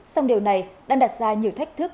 song điều này đang đặt ra nhiều thách thức